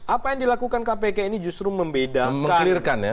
apa yang dilakukan kpk ini justru membedakan